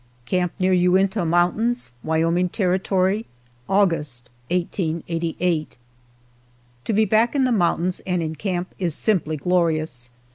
CAMP NEAR UINTAH MOUNTAINS, WYOMING TERRITORY, August, 1888. TO be back in the mountains and in camp is simply glorious!